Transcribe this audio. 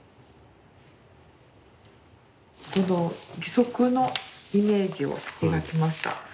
義足のイメージを描きました。